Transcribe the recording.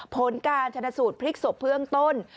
ผลการชนะสูตรพลิกศพเบื้องต้น